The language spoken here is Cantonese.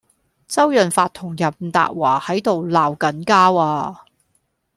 周潤發同任達華喺度鬧緊交呀